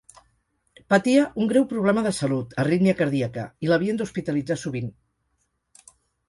Patia un greu problema de salut, arítmia cardíaca, i l'havien d'hospitalitzar sovint.